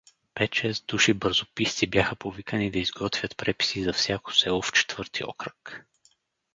Пет-шест души бързописци бяха повикани да изготвят преписи за всяко село в четвърти окръг.